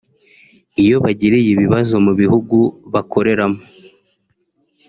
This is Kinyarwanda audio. iyo bagiriye ibibazo mu bihugu bakoreramo